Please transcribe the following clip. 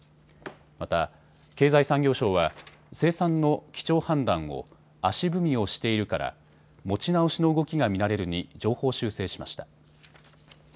また経済産業省は生産の基調判断を足踏みをしているから持ち直しの動きが見られるに上方修正しました。